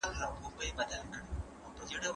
هغه د هیچا امر نه مانه.